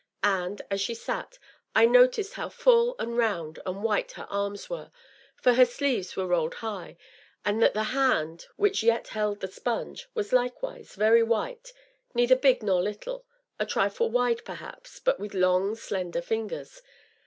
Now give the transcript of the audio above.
And, as she sat, I noticed how full and round and white her arms were, for her sleeves were rolled high, and that the hand, which yet held the sponge, was likewise very white, neither big nor little, a trifle wide, perhaps, but with long, slender fingers.